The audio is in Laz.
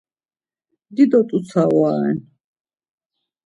Dido t̆utsa ora ren.